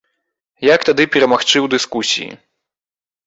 Як тады перамагчы ў дыскусіі?